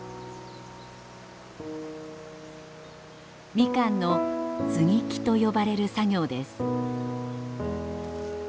みかんの接ぎ木と呼ばれる作業です。